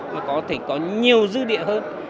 mà có thể có nhiều dư địa hơn